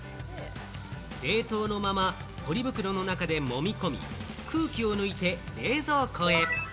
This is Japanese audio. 冷凍のままポリ袋の中で、もみ込み、空気を抜いて冷蔵庫へ。